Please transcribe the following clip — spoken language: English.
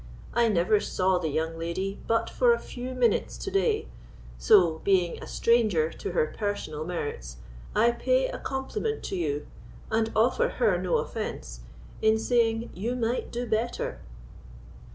I never saw the young lady but for a few minutes to day; so, being a stranger to her personal merits, I pay a compliment to you, and offer her no offence, in saying you might do better."